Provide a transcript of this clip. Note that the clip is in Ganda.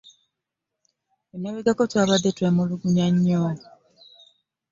Emabegako tubadde twemulugunya nnyo.